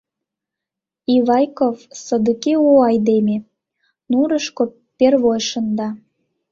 Ивайков содыки у айдеме — нурышко первой шында.